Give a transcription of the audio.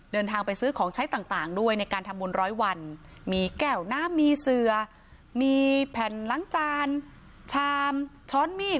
เดินทางไปซื้อของใช้ต่างด้วยในการทำบุญร้อยวันมีแก้วน้ำมีเสือมีแผ่นล้างจานชามช้อนมีด